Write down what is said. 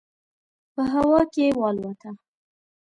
په هوا کې والوته.